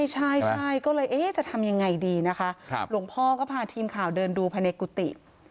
หลวงพอก็พาทีมข่าวเดินดูพาเนกุติ